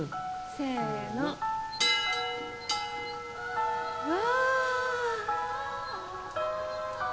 せのうわ！